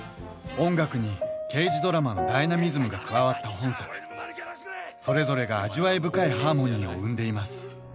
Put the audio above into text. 音楽に刑事ドラマのダイナミズムが加わった本作それぞれが味わい深いハーモニーを生んでいます